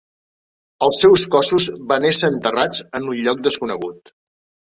Els seus cossos van ésser enterrats en un lloc desconegut.